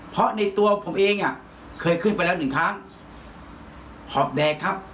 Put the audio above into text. เพราะในตัวผมเองอ่ะเคยขึ้นไปแล้วหนึ่งครั้งหอบแดงครับ